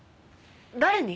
誰に？